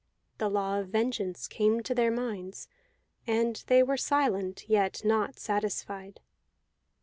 The law of vengeance came to their minds, and they were silent, yet not satisfied.